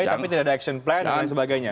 tapi tidak ada action plan dan lain sebagainya